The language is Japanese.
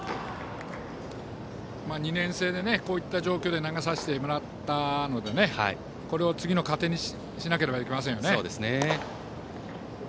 ２年生でこういった状況で投げさせてもらったのでこれを次の糧にしなければいけませんね。